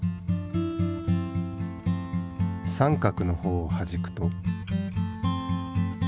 三角の方をはじくと。